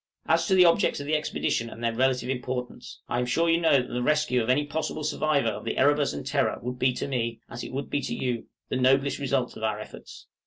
As to the objects of the expedition and their relative importance, I am sure you know that the rescue of any possible survivor of the 'Erebus' and 'Terror' would be to me, as it would be to you, the noblest result of our efforts.